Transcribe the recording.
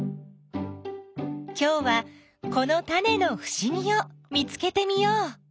きょうはこのタネのふしぎを見つけてみよう。